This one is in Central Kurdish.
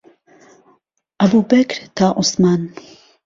عهبووبهکر تا عوسمان